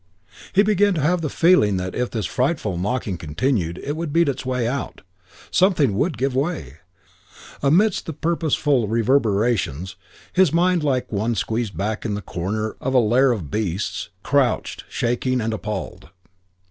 He began to have the feeling that if this frightful knocking continued it would beat its way out. Something would give way. Amidst the purposeful reverberations, his mind, like one squeezed back in the dark corner of a lair of beasts, crouched shaking and appalled.